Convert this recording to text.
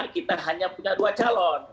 kita hanya punya dua calon